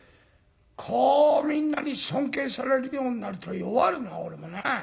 こうみんなに尊敬されるようになると弱るな俺もなあ。